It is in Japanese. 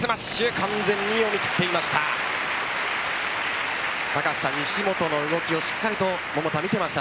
完全に読み切っていました。